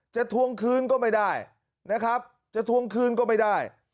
ทวงคืนก็ไม่ได้นะครับจะทวงคืนก็ไม่ได้